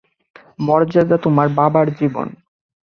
মর্যাদা তোমার বাবার জীবন।